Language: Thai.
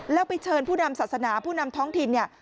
แล้วไปเชิญผู้นำศาสนาผู้นำท้องถิ่นเนี่ย